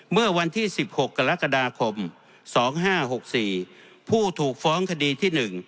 เมื่อวันที่๑๖กรกฎาคม๒๕๖๔ผู้ถูกฟ้องคดีที่๑